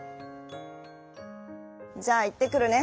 「じゃあいってくるね」。